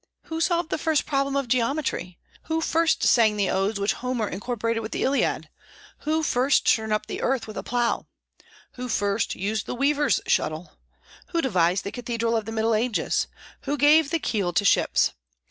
Who solved the first problem of geometry? Who first sang the odes which Homer incorporated with the Iliad? Who first turned up the earth with a plough? Who first used the weaver's shuttle? Who devised the cathedrals of the Middle Ages? Who gave the keel to ships?